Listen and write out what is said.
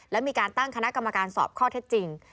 และมีการตั้งคณะกรรมการสอบข้อเท็จจริง